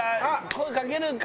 声かけるのか？